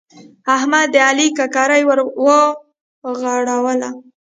احمد د علي ککرۍ ور ورغړوله.